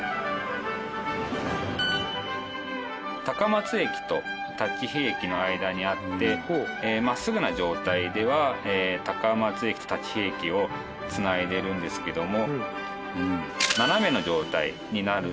高松駅と立飛駅の間にあって真っすぐな状態では高松駅と立飛駅を繋いでるんですけども。